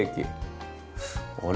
あれ？